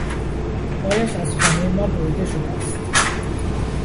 پایش از خانهٔ ما بریده شده است.